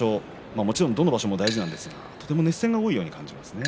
もちろんどの場所も大事なんですがとても熱戦が多いように感じますね。